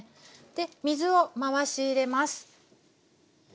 水を回し入れます。